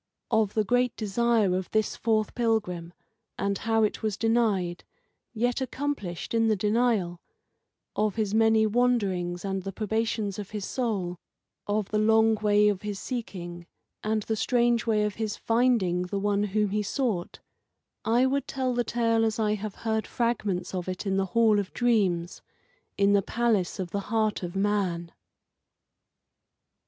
Of the great desire of this fourth pilgrim, and how it was denied, yet accomplished in the denial; of his many wanderings and the probations of his soul; of the long way of his seeking and the strange way of his finding the One whom he sought I would tell the tale as I have heard fragments of it in the Hall of Dreams, in the palace of the Heart of Man.